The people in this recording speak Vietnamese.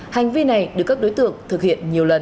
hành vi này được các đối tượng thực hiện nhiều lần